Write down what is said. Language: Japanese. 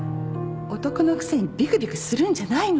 男のくせにビクビクするんじゃないの！